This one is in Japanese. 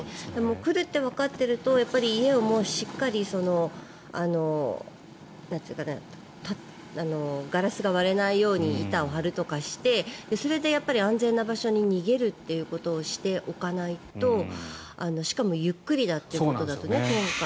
来るってわかっていると家をしっかりガラスが割れないように板を張るとかしてそれで安全な場所に逃げるということをしておかないとしかもゆっくりだということだと今回。